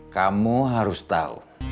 kamu harus tahu